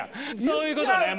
そういうことね。